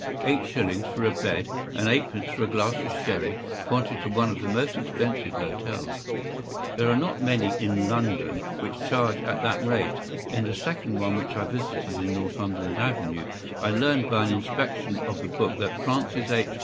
Eight shillings for a bed and eight pence for a glass of sherry pointed to one of the most expensive hotels. There are not many in London which charge at that rate. In the second one which I visited in Northumberland Avenue, I learned by an inspection of the book that Francis H.